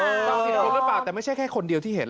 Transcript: เราเห็นคุณหรือเปล่าแต่ไม่ใช่แค่คนเดียวที่เห็น